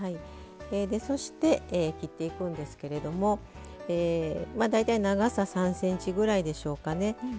そして切っていくんですけれども大体長さ３ｃｍぐらいでしょうかね。